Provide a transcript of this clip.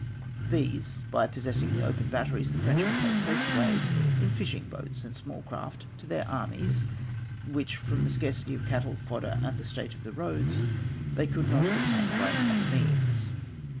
These, by possessing the open batteries, the French convey coastways in fishing boats and small craft to their armies, which, from the scarcity of cattle, fodder, and the state of the roads, they could not obtain by any other means.